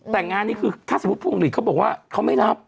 แต่งานนี้คือถ้าสมมุติผู้ผลิตเขาบอกว่าเขาไม่รับ